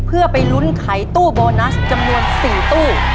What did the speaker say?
เพื่อไปลุ้นไขตู้โบนัสจำนวน๔ตู้